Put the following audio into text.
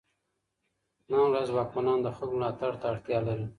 نن ورځ واکمنان د خلګو ملاتړ ته اړتيا لري.